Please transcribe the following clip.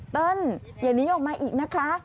เติ้ลอย่างนี้ออกมาอีกนะคะ